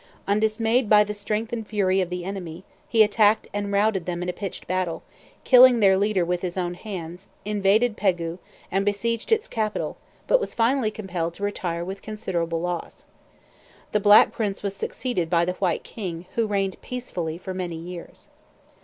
Undismayed by the strength and fury of the enemy, he attacked and routed them in a pitched battle, killing their leader with his own hands, invaded Pegu, and besieged its capital; but was finally compelled to retire with considerable loss. The Black Prince was succeeded by "the White King," who reigned peacefully for many years.